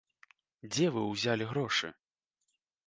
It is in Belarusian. Дзе вы ўзялі грошы?